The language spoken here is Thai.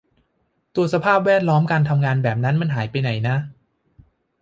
ตัวสภาพแวดล้อมการทำงานแบบนั้นมันหายไปไหนนะ